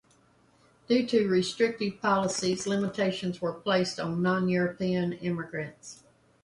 Due to restrictive policies, limitations were placed on non-European immigrants.